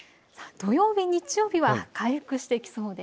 土曜日、日曜日は回復してきそうです。